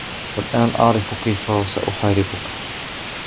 الآن أعرف كيف سأحاربك.